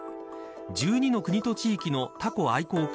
１２の国と地域のたこ愛好家